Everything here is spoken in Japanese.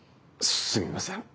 すみません。